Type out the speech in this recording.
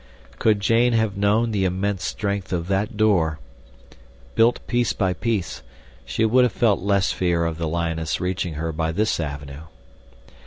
Could Jane have known the immense strength of that door, built piece by piece, she would have felt less fear of the lioness reaching her by this avenue.